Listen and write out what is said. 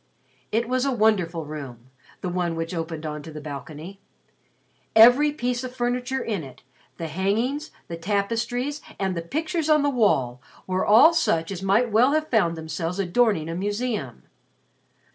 It was a wonderful room the one which opened on to the balcony. Each piece of furniture in it, the hangings, the tapestries, and pictures on the wall were all such as might well have found themselves adorning a museum.